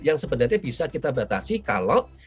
yang sebenarnya bisa kita batasi kalau